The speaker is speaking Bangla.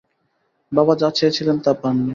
বাবা যা চেয়েছিলেন তা পাননি।